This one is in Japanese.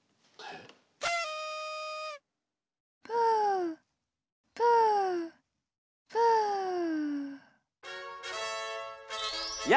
プープープーやあ